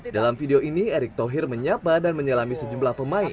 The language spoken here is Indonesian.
dalam video ini erick thohir menyapa dan menyelami sejumlah pemain